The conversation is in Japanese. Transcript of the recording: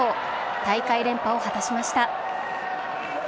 大会連覇を果たしました。